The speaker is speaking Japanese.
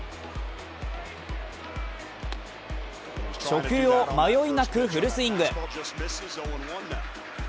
初球を迷いなくフルスイング。